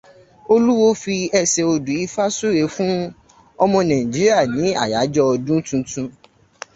Olúwo fi ẹsẹ odù Ifa ṣúre fún ọmọ Nàíjíríà ní àyájọ́ ọdún tuntun